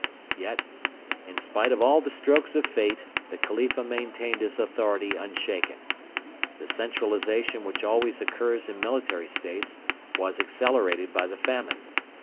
Yet, in spite of all the strokes of fate, the Khalifa maintained his authority unshaken. The centralisation which always occurs in military States was accelerated by the famine.